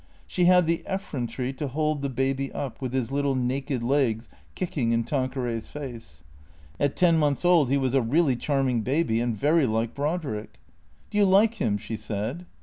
She had the effrontery to hold the baby up, with his little naked legs kicking in Tanqueray's face. At ten months old he was a really charming baby, and very like Brodrick. "Do you like him?" she said.